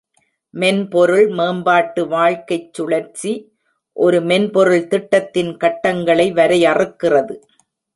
மென்பொருள் மேம்பாட்டு வாழ்க்கைச் சுழற்சி ஒரு மென்பொருள் திட்டத்தின் கட்டங்களை வரையறுக்கிறது.